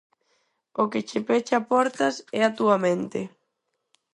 O que che pecha portas é a túa mente.